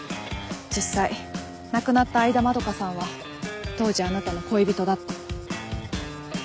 実際亡くなった相田まどかさんは当時あなたの恋人だった。